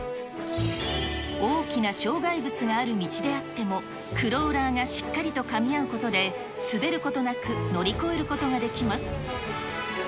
大きな障害物がある道であっても、クローラーがしっかりとかみ合うことで、滑ることなく乗り越えることができます。